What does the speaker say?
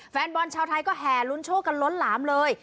แฟนบอลชาวไทยก็แห่ลุ้นโชคกันล้นหลามเลย